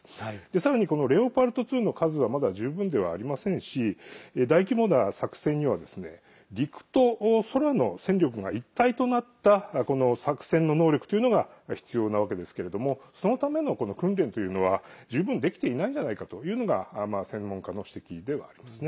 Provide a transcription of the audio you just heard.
さらに、レオパルト２の数はまだ十分ではありませんし大規模な作戦には陸と空の戦力が一体となった作戦の能力というのが必要なわけですけれどもそのための訓練というのは十分できていないのではないのかというのが専門家の指摘ではありますね。